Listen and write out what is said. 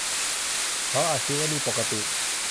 เขาอาจคิดว่านี่ปกติ